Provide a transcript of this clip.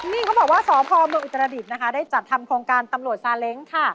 นี่เขาบอกว่าสพมอิตรฤดได้จัดทำโครงการตำรวจสาเล็งค่ะ